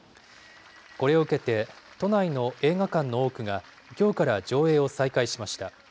これを受けて、都内の映画館の多くがきょうから上映を再開しました。